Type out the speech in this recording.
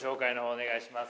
お願いします。